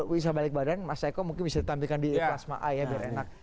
bisa balik badan mas eko mungkin bisa ditampilkan di plasma a ya biar enak